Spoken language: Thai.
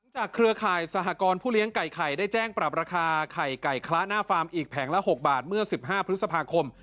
เครือข่ายสหกรณ์ผู้เลี้ยงไก่ไข่ได้แจ้งปรับราคาไข่ไก่คละหน้าฟาร์มอีกแผงละ๖บาทเมื่อ๑๕พฤษภาคม